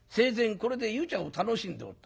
これで湯茶を楽しんでおった。